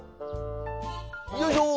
よいしょ！